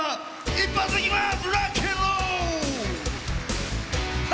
一発いきます！